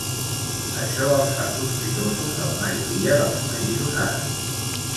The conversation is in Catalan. Això els fa sospitosos a la majoria dels països àrabs.